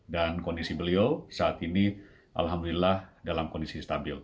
dan kondisi beliau saat ini alhamdulillah dalam kondisi stabil